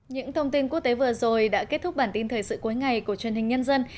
những thông tin quốc tế vừa rồi đã kết thúc bản tin thời sự cuối ngày của truyền hình nhân dân